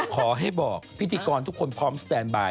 ขอให้บอกพิธีกรทุกคนพร้อมสแตนบาย